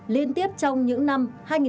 liên tiếp trong những năm